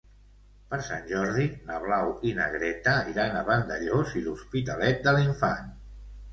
Per Sant Jordi na Blau i na Greta iran a Vandellòs i l'Hospitalet de l'Infant.